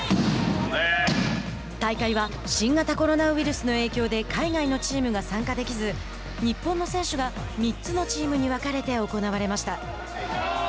大会は新型コロナウイルスの影響で海外のチームが参加できず日本の選手が３つのチームに分かれて行われました。